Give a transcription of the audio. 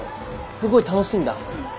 すごい楽しいんだ。